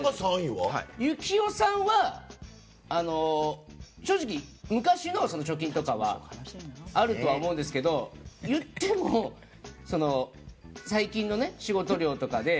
行雄さんは正直、昔の貯金とかあるとは思うんですけど言っても最近の仕事量とかで。